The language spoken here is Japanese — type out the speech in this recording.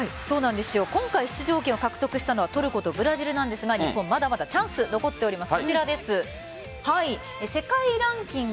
今回、出場権を獲得したのはトルコとブラジルなんですが日本、まだまだチャンス残っております。